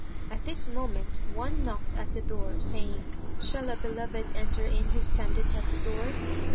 At this moment one knocked at the door, saying, "Shall a beloved enter in who standeth at the door?"